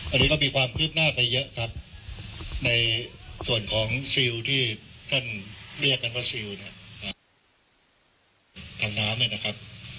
อันนี้ก็มีความคืบหน้าไปเยอะครับในส่วนของฟิลที่ท่านเรียกกันว่าฟิลเนี่ยทางน้ำนะครับ